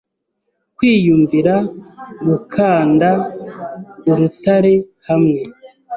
Kwiyunvira gukanda urutare hamwe